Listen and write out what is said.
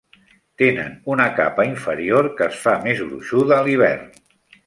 Tenen una capa inferior que es fa més gruixuda a l'hivern.